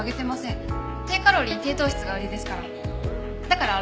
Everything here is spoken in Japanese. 低カロリー低糖質が売りですから。